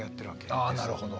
あなるほど。